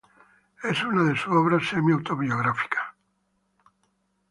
Es una de sus obras semi autobiográficas.